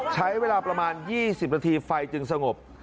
ใช้เวลาประมาณ๒๐นาทีไฟจึงสงบ